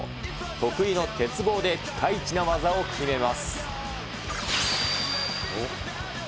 得意の鉄棒でピカイチな技を決めます。